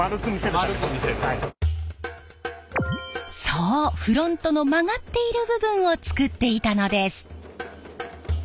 そうフロントの曲がっている部分を作っていたのです！